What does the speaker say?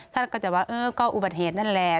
ถ้าจะว่าก็อุบัติเหตุนั่นแหละ